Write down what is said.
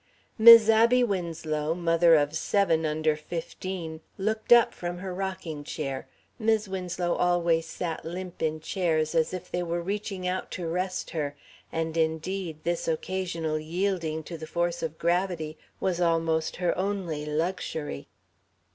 Mis' Abby Winslow, mother of seven under fifteen, looked up from her rocking chair Mis' Winslow always sat limp in chairs as if they were reaching out to rest her and, indeed, this occasional yielding to the force of gravity was almost her only luxury.